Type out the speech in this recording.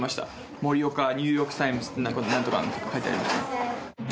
盛岡がニューヨーク・タイムズ、なんとかかんとかって書いてありました。